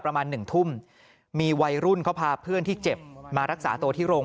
ประมาณหนึ่งทุ่มมีวัยรุ่นเขาพาเพื่อนที่เจ็บมารักษาตัวที่โรง